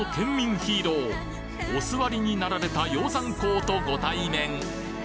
ヒーローお座りになられた鷹山公とご対面！